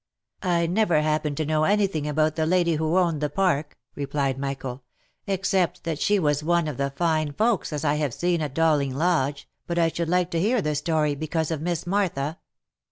" I never happened to know anything about the lady^who owned the OF MICHAEL ARMSTRONG. 317 park," replied Michael ;" except that she was one of the fine folks as I have seen at Dowling Lodge, but I should like to hear the story, be cause of Miss Martha."